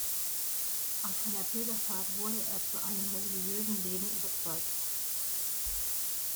Auf einer Pilgerfahrt wurde er zu einem religiösen Leben überzeugt.